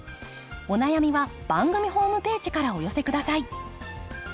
お悩みは番組ホームページからお寄せ下さい。